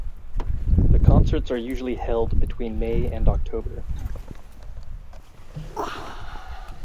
The concerts are usually held between May and October.